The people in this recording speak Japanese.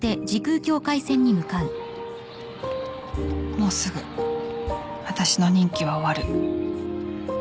もうすぐ私の任期は終わる。